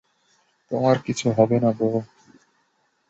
তোমার কিছু হবে না, ব্রো।